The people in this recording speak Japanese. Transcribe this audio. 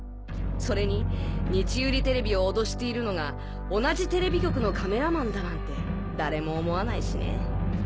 それに日売テレビを脅しているのが同じテレビ局のカメラマンだなんて誰も思わないしね。